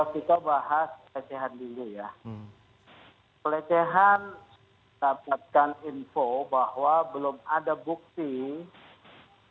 kita bahas pelecehan dulu ya